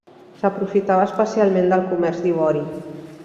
S'aprofitava especialment del comerç d'ivori.